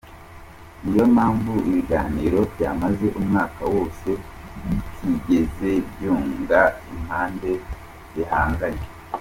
Niyo mpamvu ibiganiro byamaze umwaka wose bitigeze byunga impande zihanganye.